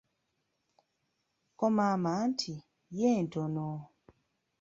Ko maama nti, yeee ,ntono.